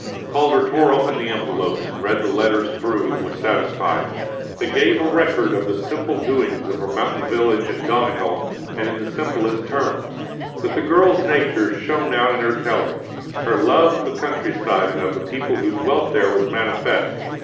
Calder tore open the envelopes and read the letters through and was satisfied. They gave a record of the simple doings of her mountain village in Donegal, and in the simplest terms. But the girl's nature shone out in the telling. Her love of the country side and of the people who dwelt there was manifest.